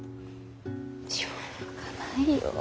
しょうがないよ。